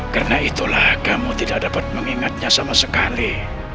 karena itulah kamu tidak dapat mengingatnya sama sekali